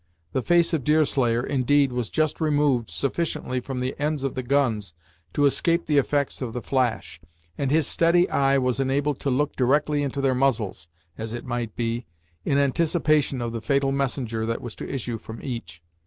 The face of Deerslayer, indeed, was just removed sufficiently from the ends of the guns to escape the effects of the flash, and his steady eye was enabled to look directly into their muzzles, as it might be, in anticipation of the fatal messenger that was to issue from each.